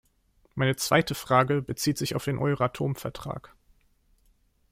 Meine zweite Frage bezieht sich auf den Euratom-Vertrag.